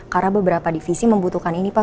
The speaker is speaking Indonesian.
karena beberapa divisi membutuhkan ini pak